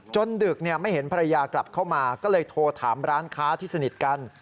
ดึกไม่เห็นภรรยากลับเข้ามาก็เลยโทรถามร้านค้าที่สนิทกัน